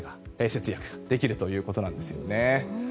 節約できるということですね。